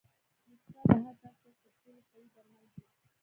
موسکا د هر ډاکټر تر ټولو قوي درمل دي.